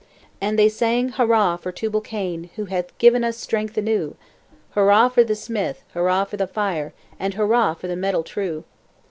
And they sang "Hurrah for Tubal Cain, Who hath given us strength anew! Hurrah for the smith, hurrah for the fire, And hurrah for the metal true!"